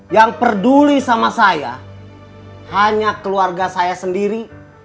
yang peduli sama saya hanya keluarga saya sendiri